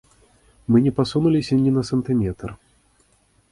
Мы не пасунуліся ні на сантыметр.